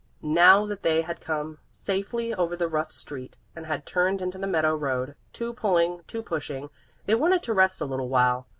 Now that they had come safely over the rough street and had turned into the meadow road, two pulling, two pushing, they wanted to rest a little while.